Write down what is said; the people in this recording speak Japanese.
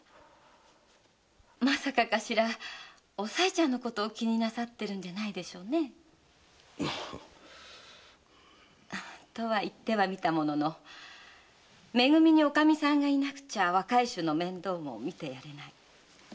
まさか頭おさいちゃんのことを気になさってるんじゃないでしょうね？とは言ってはみたもののめ組におかみさんがいなくちゃ若い衆の面倒もみてやれない。